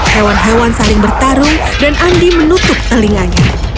hewan hewan saling bertarung dan andi menutup telinganya